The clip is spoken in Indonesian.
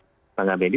untuk perlindungan diri